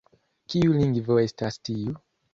Kiu lingvo estas tiu?